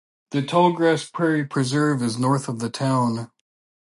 The Tallgrass Prairie Preserve is north of the town.